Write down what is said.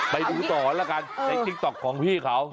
ไปดูต่อแล้วกันในติ๊กต๊อกของพี่เขา